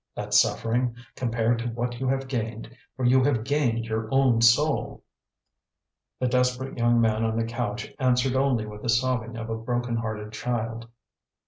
that suffering compared to what you have gained, for you have gained your own soul!" The desperate young man on the couch answered only with the sobbing of a broken hearted child.